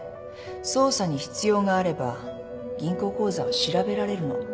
捜査に必要があれば銀行口座を調べられるの。